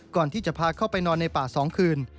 ก่อนที่จะพาเข้าไปนอนในป่า๒คืน